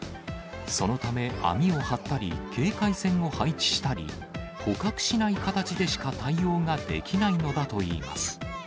そのため、網を張ったり警戒線を配置したり、捕獲しない形でしか対応ができないのだといいます。